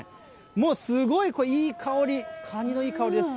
もうすごい、いい香り、カニのいい香りです。